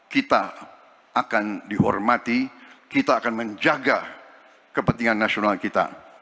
kita akan dihormati kita akan menjaga kepentingan nasional kita